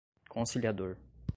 conciliador